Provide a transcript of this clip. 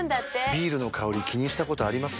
ビールの香り気にしたことあります？